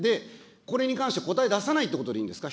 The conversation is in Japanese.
これに関して、答え出さないってことでいいんですか。